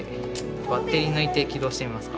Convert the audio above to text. バッテリー抜いて起動してみますか？